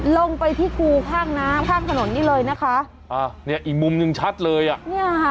ต้องไปที่กูข้างน้ำข้างถนนนี่เลยนะคะอ่าเนี้ยอีกมุมหนึ่งชัดเลยอะ